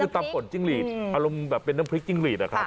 คือตำป่นจิ้งหลีดอารมณ์แบบเป็นน้ำพริกจิ้งหลีดอะครับ